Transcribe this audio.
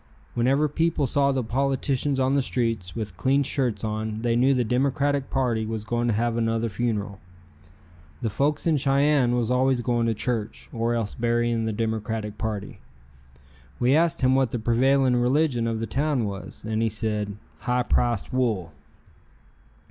Whenever people saw the politicians on the streets with clean shirts on they knew the Democratic party was going to have another funeral. The folks in Cheyenne was always going to church, or else burying the Democratic party. We asked him what the prevailing religion of the town was, and he said, "High priced wool."